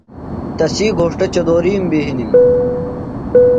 تسی گھوݜٹہ چدورِیم بی ہِنِم۔